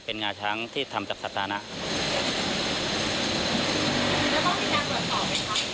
เป็นงาช้างที่ทำจับสัตว์ธรรมแล้วต้องมีการตรวจสอบได้ไหมครับ